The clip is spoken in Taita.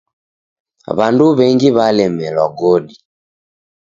W'andu w'engi w'alemelwa godi.